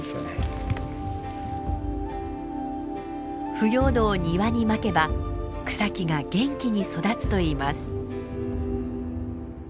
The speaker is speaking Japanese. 腐葉土を庭に撒けば草木が元気に育つといいます。